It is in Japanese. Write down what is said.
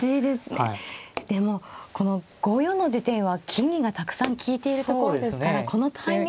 でもこの５四の地点は金銀がたくさん利いているところですからこのタイミングで。